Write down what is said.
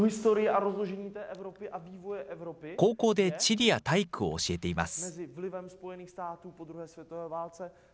高校で地理や体育を教えています。